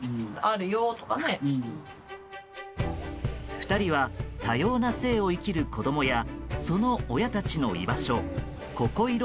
２人は多様な性を生きる子供やその親たちの居場所ここいろ